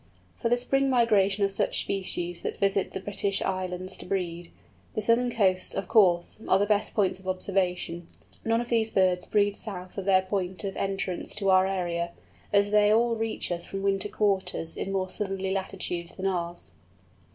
For the spring migration of such species that visit the British Islands to breed, the southern coasts, of course, are the best points of observation—none of these birds breed south of their point of entrance to our area, as they all reach us from winter quarters in more southerly latitudes than ours.